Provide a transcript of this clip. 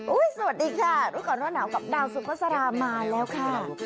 สวัสดีค่ะรู้ก่อนร้อนหนาวกับดาวสุภาษามาแล้วค่ะ